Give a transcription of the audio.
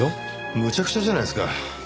むちゃくちゃじゃないですか。